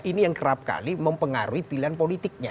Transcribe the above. ini yang kerap kali mempengaruhi pilihan politiknya